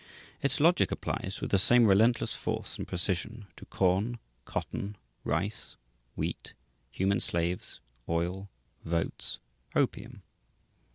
Its logic applies with the same relentless force and precision to corn, cotton, rice, wheat, human slaves, oil, votes, opium.